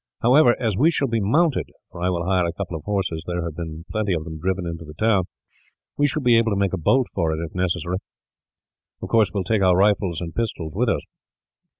However, as we shall be mounted for I will hire a couple of horses, there have been plenty of them driven into the town we shall be able to make a bolt of it, if necessary. Of course, we will take our rifles and pistols with us."